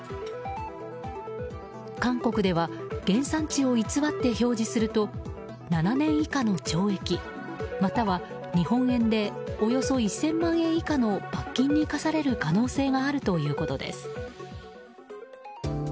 韓国では原産地を偽って表示すると７年以下の懲役、または日本円でおよそ１０００万円以下の罰金に科される可能性があるということです。